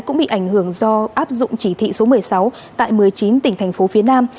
cũng bị ảnh hưởng do áp dụng chỉ thị số một mươi sáu tại một mươi chín tỉnh thành phố phía nam